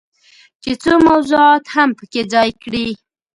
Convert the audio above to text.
چې څو موضوعات هم پکې ځای کړي.